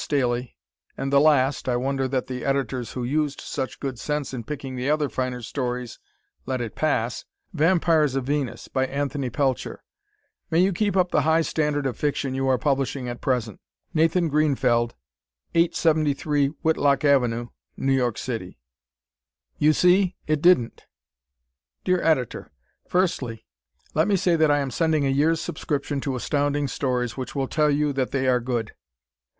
Staley, and the last (I wonder that the editors who used such good sense in picking the other finer stories, let it pass), "Vampires of Venus," by Anthony Pelcher. May you keep up the high standard of fiction you are publishing at present. Nathan Greenfeld, 873 Whitlock Ave., New York City. You See It Didn't! Dear Editor: Firstly, let me say that I am sending a year's subscription to Astounding Stories, which will tell you that they are good.